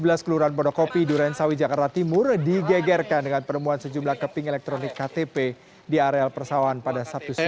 warga rt tiga ru sebelas kelurahan podokopi durensawi jakarta timur digegerkan dengan penemuan sejumlah keping elektronik ktp di areal persawanan pada sabtu siang